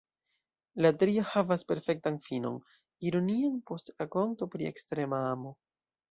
La tria havas perfektan finon, ironian, post rakonto pri ekstrema amo.